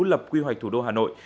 lập quy hoạch thủ đô hà nội